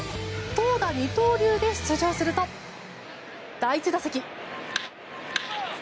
投打二刀流で出場すると第１打席。